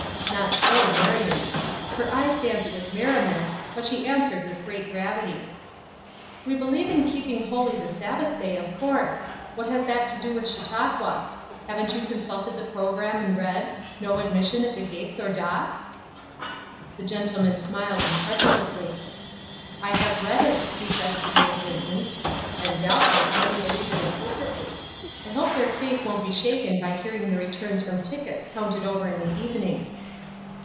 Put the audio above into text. Not so Marion. Her eyes danced with merriment, but she answered with great gravity: "We believe in keeping holy the Sabbath day, of course. What has that to do with Chautauqua. Haven't you consulted the programme and read: 'No admission at the gates or docks'?" The gentleman smiled incredulously. "I have read it," he said, significantly, "and doubtless many believe it implicitly. I hope their faith won't be shaken by hearing the returns from tickets counted over in the evening."